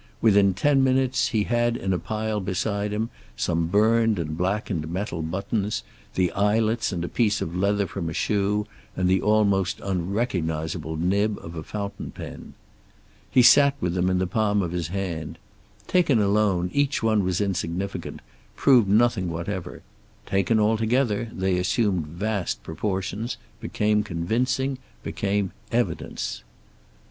Within ten minutes he had in a pile beside him some burned and blackened metal buttons, the eyelets and a piece of leather from a shoe, and the almost unrecognizable nib of a fountain pen. He sat with them in the palm of his hand. Taken alone, each one was insignificant, proved nothing whatever. Taken all together, they assumed vast proportions, became convincing, became evidence.